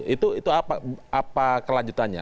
itu apa kelanjutannya